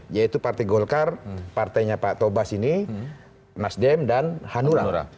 yaitu partai golkar partainya pak tobas ini nasdem dan hanura